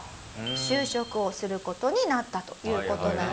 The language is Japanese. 就職をする事になったという事なんですよね。